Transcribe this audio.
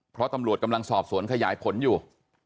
เพราะตำรวจกำลังสอบสวนขยายผลอยู่